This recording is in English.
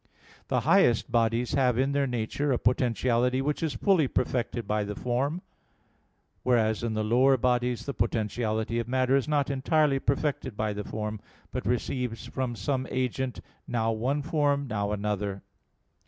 The highest bodies have in their nature a potentiality which is fully perfected by the form; whereas in the lower bodies the potentiality of matter is not entirely perfected by the form, but receives from some agent, now one form, now another.